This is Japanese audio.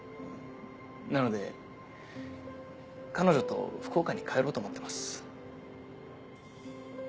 なので彼女と福岡に帰ろうと思ってます。